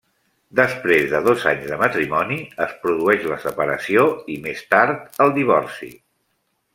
Després de dos anys de matrimoni es produeix la separació i més tard el divorci.